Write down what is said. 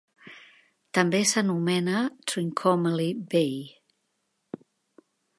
També s'anomena Trincomalee Bay.